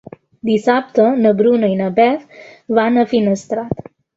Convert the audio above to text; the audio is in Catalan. Dissabte na Bruna i na Beth van a Finestrat.